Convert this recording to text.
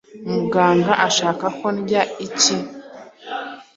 Muganga ashaka ko ndya iki?